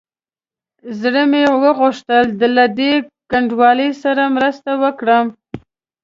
زړه مې وغوښتل له دې کنډوالې سره مرسته وکړم.